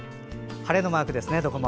晴れのマークですね、どこも。